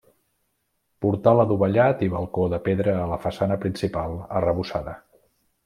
Portal adovellat i balcó de pedra a la façana principal arrebossada.